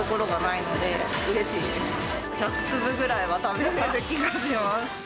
１００粒ぐらいは食べきれますよ。